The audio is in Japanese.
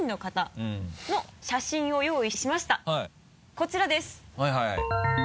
こちらです。